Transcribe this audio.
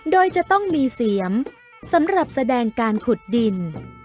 โดยจะต้องมีเสียมสำหรับแสดงการขุดดิน